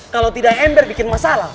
kalau tidak ember bikin masalah